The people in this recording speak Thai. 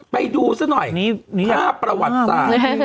ไปดูซะหน่อยภาพประวัติศาสตร์